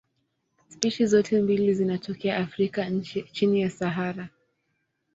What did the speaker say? Spishi zote mbili zinatokea Afrika chini ya Sahara.